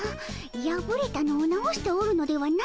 やぶれたのを直しておるのではないのかの？